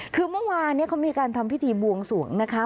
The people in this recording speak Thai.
คือเมื่อวานเขามีการทำพิธีบวงสวงนะคะ